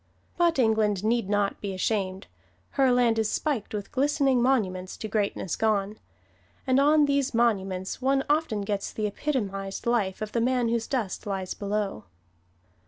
But England need not be ashamed. Her land is spiked with glistening monuments to greatness gone. And on these monuments one often gets the epitomized life of the man whose dust lies below.